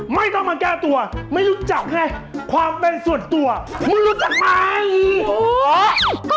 ไม่ต้องมาแก้ตัวไม่รู้จักไงความเป็นส่วนตัวมึงรู้ตัวอย่างไร